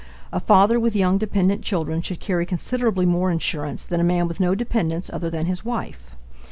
A father with young, dependent children should carry considerably more insurance than a man with no dependents other than his wife.